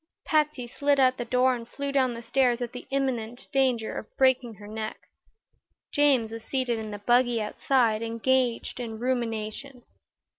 Patsy slid out the door and flew down the stairs at the imminent danger of breaking her neck. James was seated in the buggy outside, engaged in rumination.